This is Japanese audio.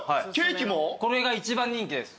これが一番人気です。